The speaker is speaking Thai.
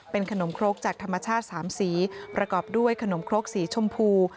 ขนมครกจากธรรมชาติ๓สีประกอบด้วยขนมครกสีชมพู